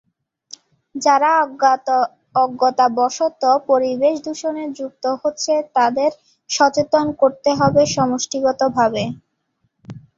যারা অজ্ঞতাবশত পরিবেশ দূষণে যুক্ত হচ্ছে তাদের সচেতন করতে হবে সমষ্টিগতভাবে।